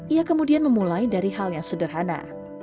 ia kemudian memulai dari hal yang sederhana